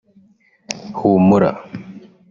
Humura